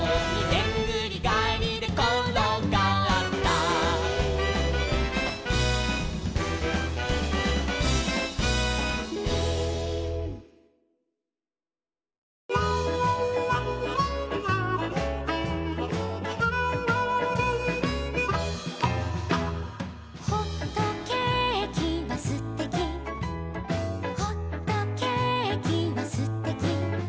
「でんぐりがえりでころがった」「ほっとけーきはすてき」「ほっとけーきはすてき」